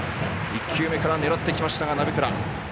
１球目から狙っていきましたが。